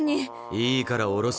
いいからおろす！